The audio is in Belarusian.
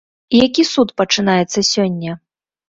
Які суд пачынаецца сёння?